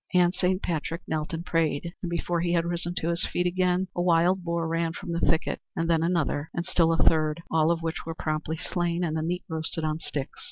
And Saint Patrick knelt and prayed, and before he had risen to his feet again a wild boar ran from the thicket and then another and still a third, all of which were promptly slain and the meat roasted on sticks.